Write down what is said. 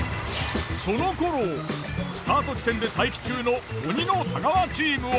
その頃スタート地点で待機中の鬼の太川チームは。